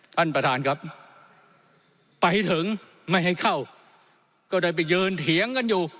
ท่านประธานครับไปถึงไม่ให้เข้าก็ได้ไปยืนเถียงกันอยู่